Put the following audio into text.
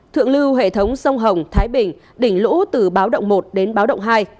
thượng lưu hệ thống sông hồng thái bình đỉnh lũ từ báo động một đến báo động hai